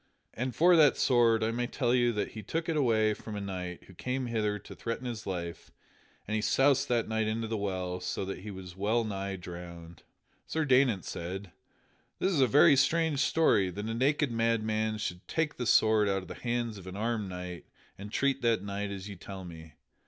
As for that sword, I may tell you that he took it away from a knight who came hither to threaten his life, and he soused that knight into the well so that he was wellnigh drowned." Sir Daynant said: "That is a very strange story, that a naked madman should take the sword out of the hands of an armed knight and treat that knight as ye tell me.